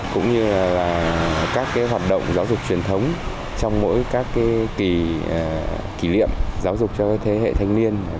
cũng như là các hoạt động giáo dục truyền thống trong mỗi các kỳ kỷ niệm giáo dục cho thế hệ thanh niên